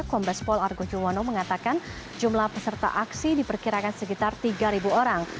kombes pol argo juwono mengatakan jumlah peserta aksi diperkirakan sekitar tiga orang